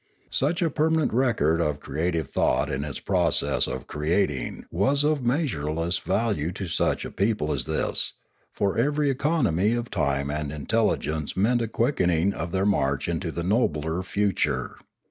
Such a permanent record of crea tive thought in its process of creating was of measure less value to such a people as this, for every economy of time and intelligence meant a quickening of their march into the nobler future.